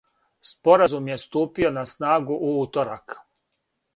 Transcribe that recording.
Споразум је ступио на снагу у уторак.